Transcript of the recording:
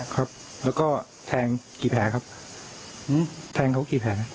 ครับแล้วก็แทงกี่แผลครับแทงเขากี่แผล